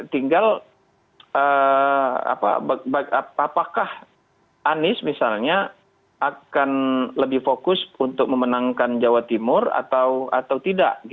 tinggal apakah anies misalnya akan lebih fokus untuk memenangkan jawa timur atau tidak